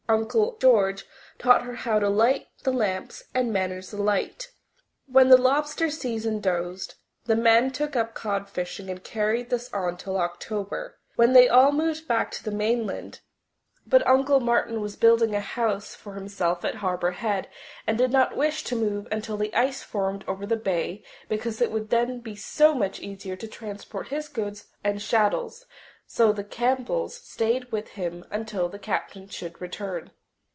Uncle George taught her how to light the lamps and manage the light. When the lobster season dosed, the men took up codfishing and carried this on till October, when they all moved back to the mainland. But Uncle Martin was building a house for himself at Harbour Head and did not wish to move until the ice formed over the bay because it would then be so much easier to transport his goods and chattels; so the Campbells stayed with him until the Captain should return.